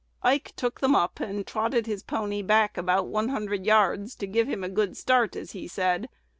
Ike took them up, and trotted his pony back about one hundred yards, to give him a good start, as he said.